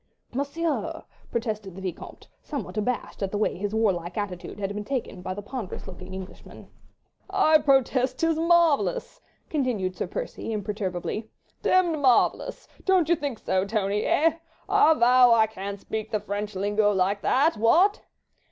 "Monsieur!" protested the Vicomte, somewhat abashed at the way his warlike attitude had been taken by the ponderous looking Englishman. "I protest 'tis marvellous!" continued Sir Percy, imperturbably, "demmed marvellous! Don't you think so, Tony—eh? I vow I can't speak the French lingo like that. What?"